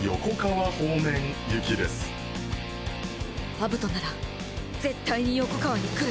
アブトなら絶対に横川に来る。